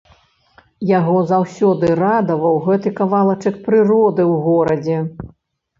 Яго заўсёды радаваў гэты кавалачак прыроды ў горадзе.